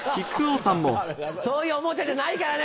そういうオモチャじゃないからね！